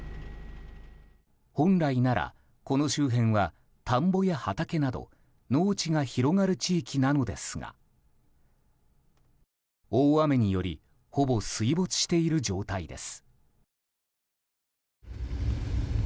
本来なら、この周辺は田んぼや畑など農地が広がる地域なのですが大雨によりほぼ水没している状態です。